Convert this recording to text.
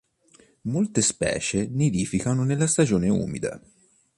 Molte specie nidificano nella stagione umida.